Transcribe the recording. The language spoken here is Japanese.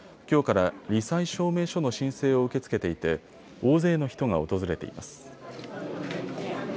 きょうからり災証明書の申請を受け付けていて大勢の人が訪れています。